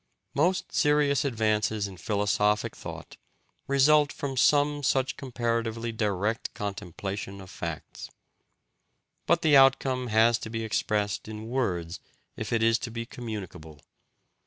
Most serious advances in philosophic thought result from some such comparatively direct contemplation of facts. But the outcome has to be expressed in words if it is to be communicable.